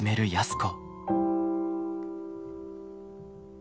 安子。